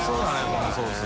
このソース。